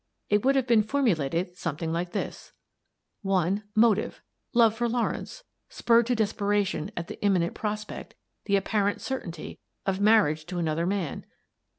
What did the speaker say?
It would have been formulated something like this: (1) Motive: Love for Lawrence, spurred to desperation at the imminent prospect — the appar ent certainty — of a marriage to another man.